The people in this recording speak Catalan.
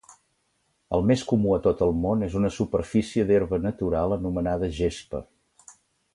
El més comú a tot el món és una superfície d'herba natural anomenada "gespa".